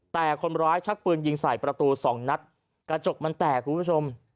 แต่คนร้ายชักปืนยิงใส่ประตูสองนัดกระจกมันแตกคุณผู้ชม